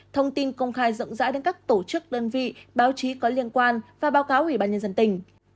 thông tin công khai rộng rãi đến các tổ chức đơn vị báo chí có liên quan và báo cáo ủy ban nhân dân tỉnh